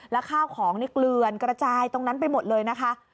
แล้วข้าวของนี่เกลือนกระจายตรงนั้นไปหมดเลยนะคะ